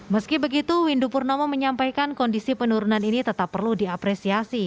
meski begitu windu purnomo menyampaikan kondisi penurunan ini tetap perlu diapresiasi